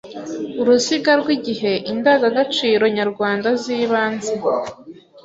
Uruziga rw’igihe indangagaciro nyarwanda z’ibanze